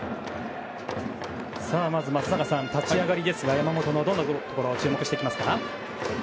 まず松坂さん、立ち上がりですが山本のどんなところに注目していきますか？